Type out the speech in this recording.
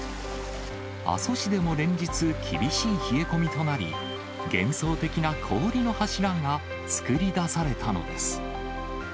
阿蘇市でも連日、厳しい冷え込みとなり、幻想的な氷の柱が作り出されたのです。